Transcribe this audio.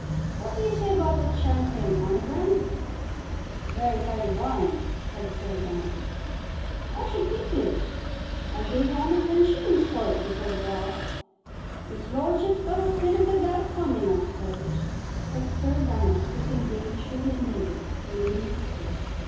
What do you say about that champagne, Monogram?" "Very tidy wine," said Sir Damask. "I should think it is. I gave 110s. for it before the war. 'Is lordship's got a fit of the gout coming, I suppose." But Sir Damask was engaged with his neighbour, Lady Eustace.